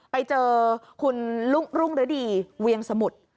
ไปเจอคุณลุ้งหรือดีเวียงสมุทร